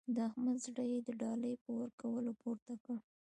د احمد زړه يې د ډالۍ په ورکولو پورته کړ.